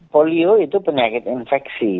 polio itu penyakit infeksi